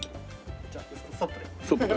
じゃあストップで。